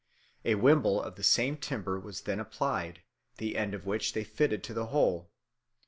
A wimble of the same timber was then applied, the end of which they fitted to the hole.